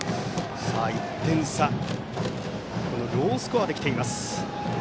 １点差のロースコアできています。